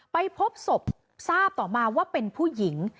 ไปพบศพทราบต่อมาว่าเป็นผู้หญิง